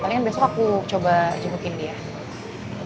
kalian besok aku coba bye bye